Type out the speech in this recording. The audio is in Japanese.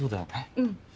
うん。